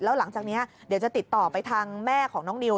แล้วหลังจากนี้เดี๋ยวจะติดต่อไปทางแม่ของน้องนิว